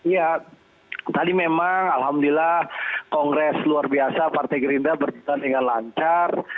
ya tadi memang alhamdulillah kongres luar biasa partai gerindra berjalan dengan lancar